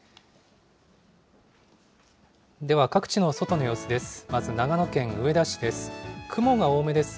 では各地の外の様子です。